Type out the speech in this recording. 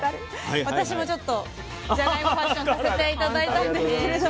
私もちょっとじゃがいもファッションさせて頂いたんですけれども。